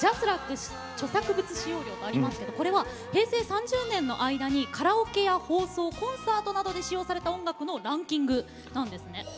ＪＡＳＲＡＣ著作物使用料とありますがこれは平成３０年の間にカラオケや放送コンサートなどで使用された、音楽のランキングなんです。